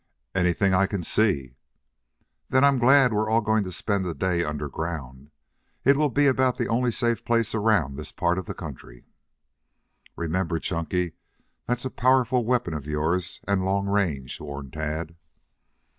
"Anything I can see." "Then, I'm glad we are all going to spend the day underground. It will be about the only safe place around this part of the country." "Remember, Chunky, that's a powerful weapon of yours and long range," warned Tad.